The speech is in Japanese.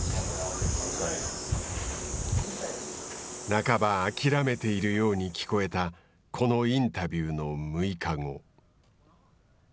半ば諦めているように聞こえたこのインタビューの６日後。